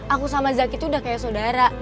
aku sama zaki tuh udah kayak saudara